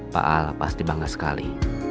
pak al pasti bangga sekali